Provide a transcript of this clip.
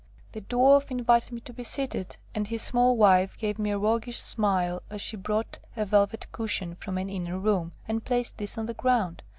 The Dwarf invited me to be seated, and his small wife gave me a roguish smile as she brought a velvet cushion from an inner room, and placed this on the ground.